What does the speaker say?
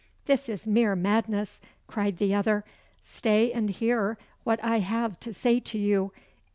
"This is mere madness," cried the other. "Stay and hear what I have to say to you.